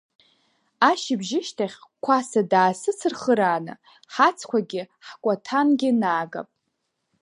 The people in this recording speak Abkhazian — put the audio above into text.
Ашьыбжьышьҭахь Қәаса даасыцырхырааны, ҳацәқәагьы ҳкәаҭангьы наагап.